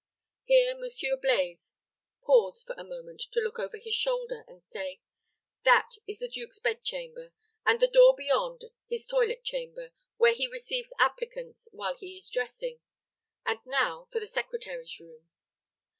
Here Monsieur Blaize paused for a moment to look over his shoulder, and say, "That is the duke's bed chamber, and the door beyond his toilet chamber, where he receives applicants while he is dressing; and now for the secretary's room."